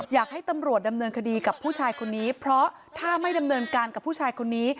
อยากให้ตำรวจดำเนินคดีกับผู้ชายคนนี้เพราะถ้าไม่ดำเนินการกับผู้ชายคนนี้